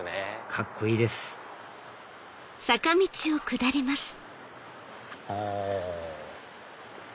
カッコいいですあ。